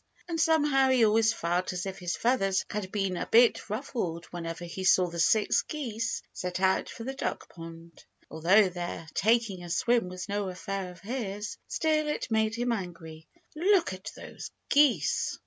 And somehow he always felt as if his feathers had been a bit ruffled whenever he saw the six geese set out for the duck pond. Although their taking a swim was no affair of his, still it made him angry. "Look at those geese!"